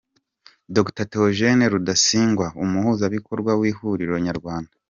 Dr. Theogene Rudasingwa, Umuhuzabikorwa w’Ihuriro Nyarwanda.